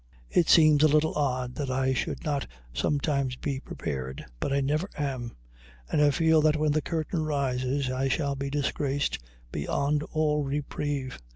It seems a little odd that I should not sometimes be prepared, but I never am, and I feel that when the curtain rises I shall be disgraced beyond all reprieve.